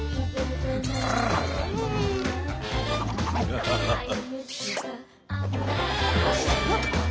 ハハハハ！